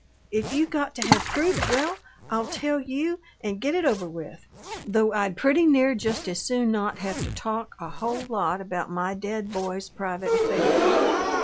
If you got to have proof, well, I'll tell you and get it over with, though I'd pretty near just as soon not have to talk a whole lot about my dead boy's private affairs.